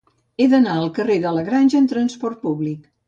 He d'anar al carrer de la Granja amb trasport públic.